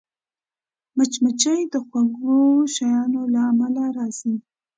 مچمچۍ د خوږو شیانو له امله راځي